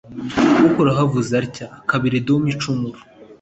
Uhoraho avuze atya :Kabiri Edomu icumura !